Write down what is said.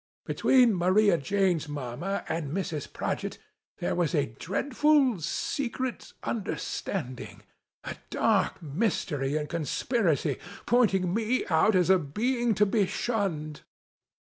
Between Maria Jane's Mama, and Mrs. Prodgit, there was a dreadful, secret, understanding — a dark mys tery and conspiracy, pointing me out as a being to be shunned.